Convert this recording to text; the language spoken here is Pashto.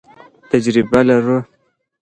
تجربه لرو.